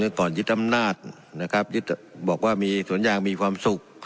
ถึงเรื่องก่อนยึดอำนาจนะครับยึดบอกว่ามีสวนยางมีความสุข